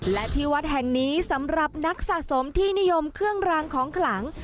และที่วัดแห่งนี้สำหรับนักสะสมที่นิยมเครื่องรางของขลัง